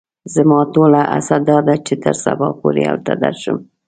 زما ټوله هڅه دا ده چې تر سبا پوري هلته درشم.